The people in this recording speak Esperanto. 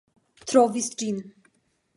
Trovis ĝin .